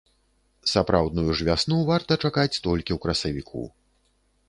Сапраўдную ж вясну варта чакаць толькі ў красавіку.